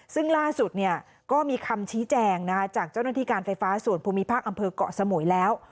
ซึ่งล่าสุดก็มีคำชี้แจงจากเจ้าหน้าที่การไฟฟ้าส่วนภูมิภาคอำเภอกเกาะสมุยแล้ว